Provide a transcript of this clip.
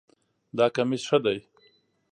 دا کمیس ښه ده